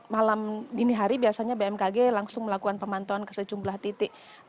malam dini hari biasanya bmkg langsung melakukan pemantauan ke sejumlah titik